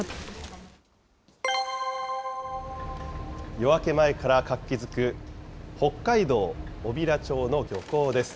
夜明け前から活気づく、北海道小平町の漁港です。